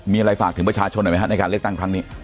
มีอะไรฝากถึงประชาชนหน่อยไหมครับในการเลือกตั้งครั้งนี้